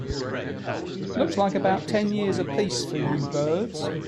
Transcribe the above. Looks like about ten years a piece for you birds.